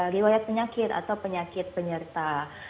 riwayat penyakit atau penyakit penyerta